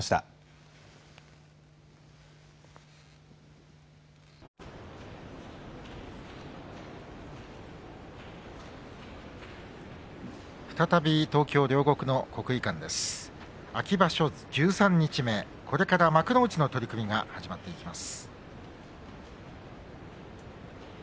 十三日目、これから幕内の取組が始まっていきます。